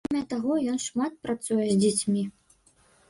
Акрамя таго, ён шмат працуе з дзецьмі.